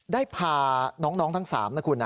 ได้พาน้องทั้งสาม